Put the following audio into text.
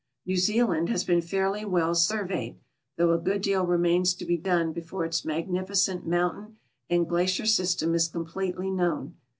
New Zealand has been fairlv well surveyed, though a good deal remains to be done before its magnificent mountain and glacier system is completely known.